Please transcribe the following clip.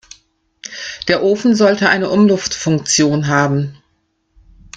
Der Ofen sollte eine Umluftfunktion haben.